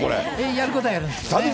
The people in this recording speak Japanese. やることはやるんですね。